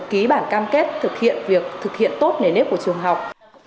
ký bản cam kết thực hiện việc thực hiện tốt nền nếp của trường học